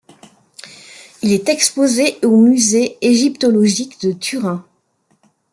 Il est exposé au musée égyptologique de Turin.